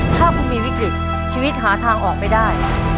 ถ้าคุณมีวิกฤตชีวิตหาทางออกไม่ได้